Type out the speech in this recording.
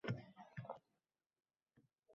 Nahotki bir oʻzim qoldim sahroda.